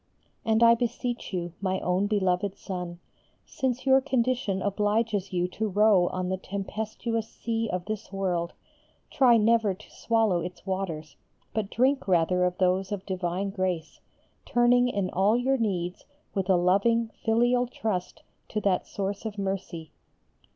And I beseech you, my own beloved Son, since your condition obliges you to row on the tempestuous sea of this world, try never to swallow its waters, but drink rather of those of Divine grace, turning in all your needs with a loving, filial trust to that source of mercy.